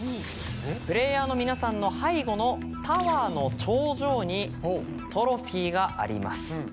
プレーヤーの皆さんの背後のタワーの頂上にトロフィーがあります。